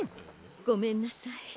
ごめんなさい。